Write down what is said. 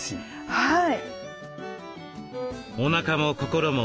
はい。